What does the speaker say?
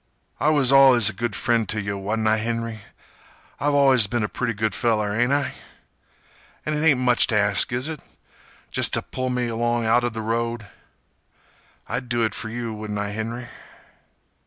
"I was allus a good friend t' yeh, wa'n't I, Henry? I've allus been a pretty good feller, ain't I? An' it ain't much t' ask, is it? Jest t' pull me along outer th' road? I'd do it fer you, wouldn't I, Henry?"